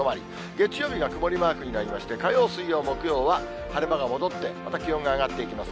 月曜日が曇りマークになりまして、火曜、水曜、木曜は晴れ間が戻って、また気温が上がっていきます。